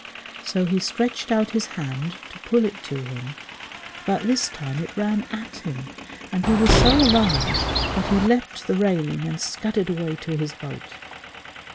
So he stretched out his hand to pull it to him, but this time it ran at him, and he was so alarmed that he leapt the railing and scudded away to his boat.